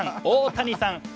大谷さん。